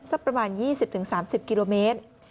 สักประมาณ๒๐๓๐กิโลเมตร